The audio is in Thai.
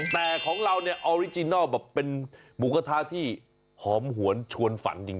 แต่ของเราเนี่ยออริจินัลแบบเป็นหมูกระทะที่หอมหวนชวนฝันจริง